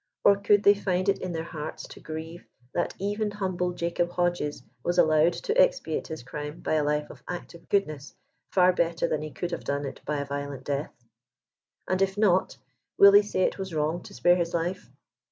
Or could they find it in their heaits to grieve that even humble Jacob Hodges was al lowed to expiate his crime by a life of active goodness, far better than he could have done it by a violent death ? And if not, will they say it was wrong to spare his life